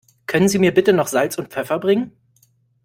Können Sie mir bitte noch Salz und Pfeffer bringen?